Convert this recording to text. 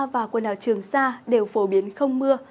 và quần đảo trường sa đều phổ biến không mưa